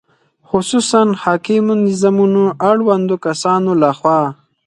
خصوصاً حاکمو نظامونو اړوندو کسانو له خوا